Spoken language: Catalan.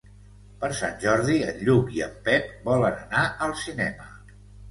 Per Sant Jordi en Lluc i en Pep volen anar al cinema.